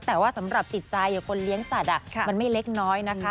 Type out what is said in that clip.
แต่ว่าสำหรับจิตใจคนเลี้ยงสัตว์มันไม่เล็กน้อยนะคะ